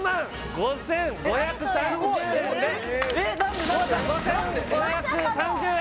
誤差５５３０円